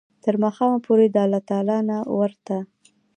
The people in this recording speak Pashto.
تر ماښامه پوري د الله تعالی نه ورته